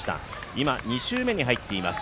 今２周目に入っています